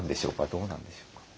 どうなんでしょうか？